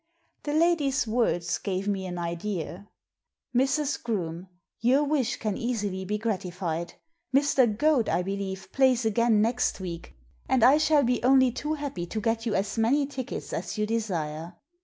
The lady's words gave me an idea. Mrs. Groome, your wish can easily be gratified. Mr. Goad, I believe, plays again next week, and I shall be only too happy to get you as many tickets as you desire."